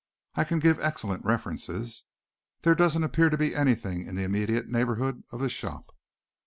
I can give excellent references. There doesn't appear to be anything in the immediate neighborhood of the shop."